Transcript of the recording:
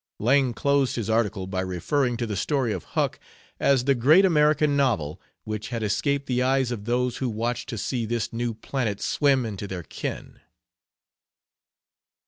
Lang closed his article by referring to the story of Huck as the "great American novel which had escaped the eyes of those who watched to see this new planet swim into their ken."